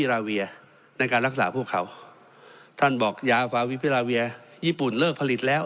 ราเวียในการรักษาพวกเขาท่านบอกยาฟาวิพิราเวียญี่ปุ่นเลิกผลิตแล้ว